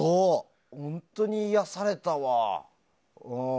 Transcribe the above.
本当に癒やされたわ。